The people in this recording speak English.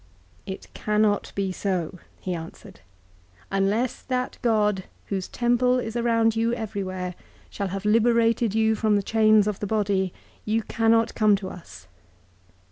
'It cannot be BO,' he answered. ' Unless that God whose temple is around you everywhere shall have liberated you from the chains of the body, you cannot come to us.